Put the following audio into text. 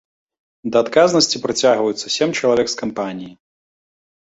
Да адказнасці прыцягваюцца сем чалавек з кампаніі.